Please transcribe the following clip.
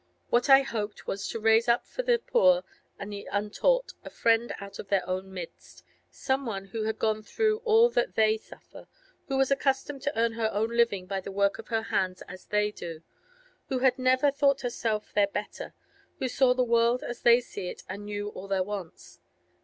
What I hoped was to raise up for the poor and the untaught a friend out of their own midst, some one who had gone through all that they suffer, who was accustomed to earn her own living by the work of her hands as they do, who had never thought herself their better, who saw the world as they see it and knew all their wants.